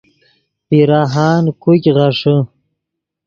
پیراہان کوګ غیݰے